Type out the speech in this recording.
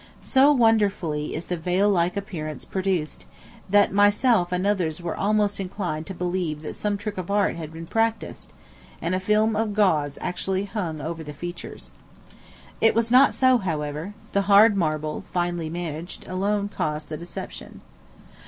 So wonderfully is the veil like appearance produced, that myself and others were almost inclined to believe that some trick of art had been practised, and a film of gauze actually hung over the features. It was not so, however; the hard marble, finely managed, alone caused the deception.